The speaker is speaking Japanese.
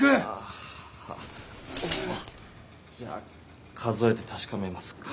じゃ数えて確かめますか。